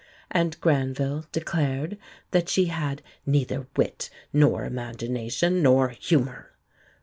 and Granville declared that she had "neither wit, nor imagination, nor humour."